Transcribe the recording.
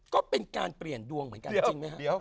ก็เป็นการเปลี่ยนดวงเหมือนกันจริงไหมครับ